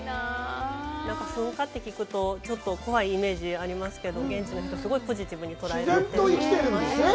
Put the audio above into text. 噴火って聞くと、ちょっと怖いイメージがありますけど、現地の人、すごいポジティブに捉えて。